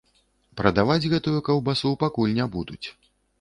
Прадаваць гэтую каўбасу пакуль не будуць.